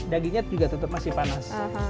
dagingnya juga tetap masih panas